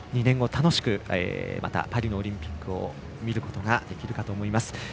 楽しくまたパリのオリンピックを見ることができるかと思います。